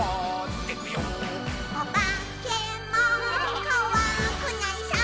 「おばけもこわくないさ」